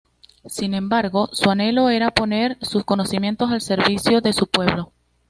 Sin embargo, su anhelo era poner sus conocimientos al servicio de su pueblo.